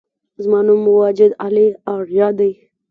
زما نوم واجد علي آریا دی